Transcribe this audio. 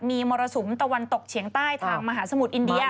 มีมรสุมตะวันตกเฉียงใต้ทางมหาสมุทรอินเดีย